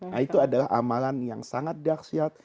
nah itu adalah amalan yang sangat dahsyat